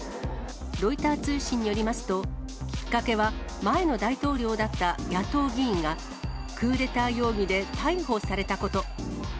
ロイター通信によりますと、きっかけは、前の大統領だった野党議員が、クーデター容疑で逮捕されたこと。